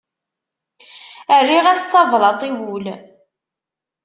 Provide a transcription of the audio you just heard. Rriɣ-as tablaḍt i wul.